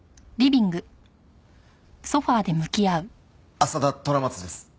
朝田虎松です。